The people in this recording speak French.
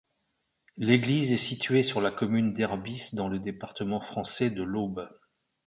L'église est située sur la commune d'Herbisse, dans le département français de l'Aube.